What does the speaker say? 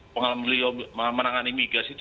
pengalaman beliau menangan imigres itu